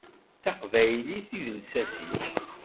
D taqbaylit i d lsas-ik.